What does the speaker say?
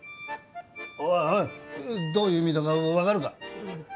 おいおいどういう意味だか分かるか？